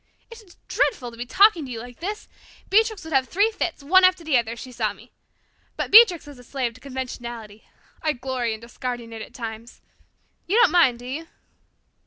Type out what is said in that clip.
It is dreadful to be talking to you like this. Beatrix would have three fits, one after the other, if she saw me. But Beatrix is a slave to conventionality. I glory in discarding it at times. You don't mind, do you?"